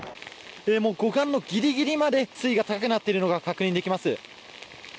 護岸のギリギリまで水位が高くなっているのが確認できます。